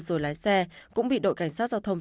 rồi lái xe cũng bị đội cảnh sát giao thông